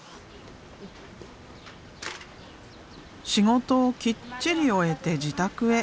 仕事をきっちり終えて自宅へ。